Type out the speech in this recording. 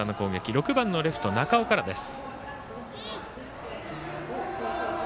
６番のレフト、中尾からです。